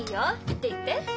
言って言って。